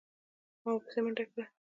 ما ورپسې منډه کړه.